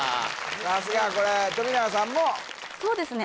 さすがこれ富永さんもそうですね